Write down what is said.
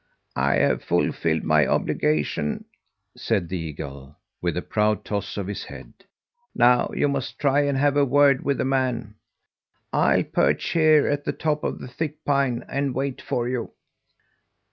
"I have fulfilled my obligation," said the eagle, with a proud toss of his head. "Now you must try and have a word with the man. I'll perch here at the top of the thick pine and wait for you."